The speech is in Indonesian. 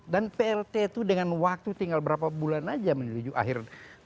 dan prt itu dengan waktu tinggal berapa bulan saja menuju akhir dua ribu sembilan belas